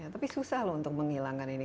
tapi susah loh untuk menghilangkan ini